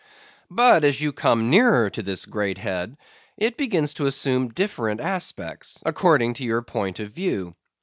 But as you come nearer to this great head it begins to assume different aspects, according to your point of view.